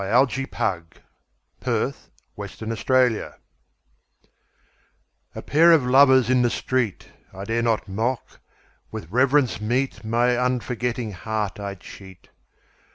A Pair of Lovers in the Street A PAIR of lovers in the street!I dare not mock: with reverence meetMy unforgetting heart I cheat.